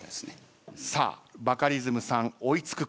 さあバカリズムさん追い付くか。